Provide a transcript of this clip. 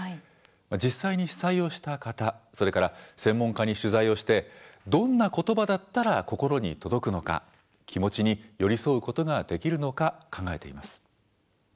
実際に被災をした方それから専門家に取材をしてどんなことばだったら心に届くのか気持ちに寄り添うことができるのか考えています。